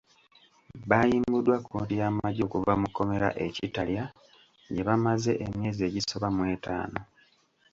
Baayimbuddwa kkooti y’amagye okuva mu kkomera e Kitalya gye bamaze emyezi egisoba mu etaano.